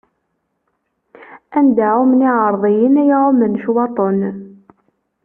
Anda ɛummen iɛeṛḍiyen, ay ɛummen ccwaṭen.